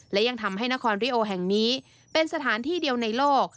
และยังทำให้นครริโอแห่งนี้เป็นสถานที่เดียวในโลก